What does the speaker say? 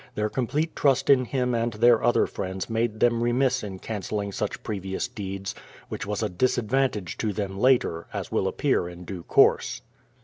Their complete trust in him and their other friends made them remiss in cancelling such previous deeds, which was a disadvantage to them later, as will appear in due course.